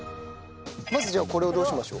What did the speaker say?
まずじゃあこれをどうしましょう？